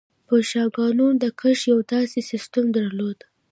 بوشنګانو د کښت یو داسې سیستم درلود.